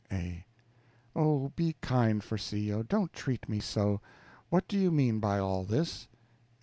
A. Oh, be kind, Farcillo, don't treat me so. What do you mean by all this?